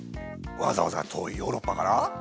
わざわざ遠いヨーロッパから？